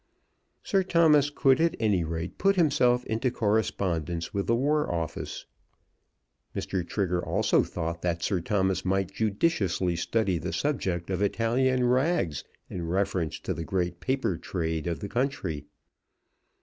Sir Thomas could at any rate put himself into correspondence with the War Office. Mr. Trigger also thought that Sir Thomas might judiciously study the subject of Italian rags, in reference to the great paper trade of the country.